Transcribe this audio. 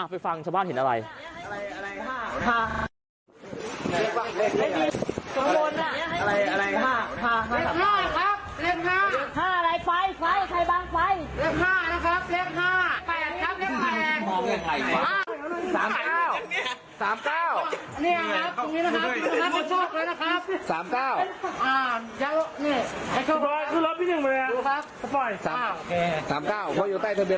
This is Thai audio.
ไปฟังชาวบ้านเห็นอะไรอะไรอะไร